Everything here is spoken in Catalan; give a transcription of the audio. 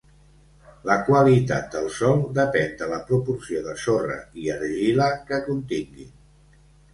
La qualitat del sòl depèn de la proporció de sorra i argila que continguin.